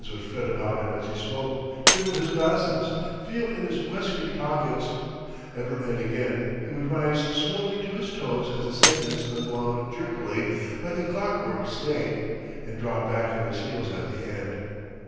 His hands would fret about him as he spoke, fiddle his glasses, feel in his waistcoat pockets; ever and again he would rise slowly to his toes as a sentence unwound jerkily like a clockwork snake, and drop back on his heels at the end.